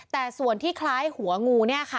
แต่ส่วนที่คล้ายไอ้หัวงู